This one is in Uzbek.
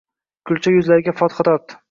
Kulcha yuzlariga fotiha tortdi.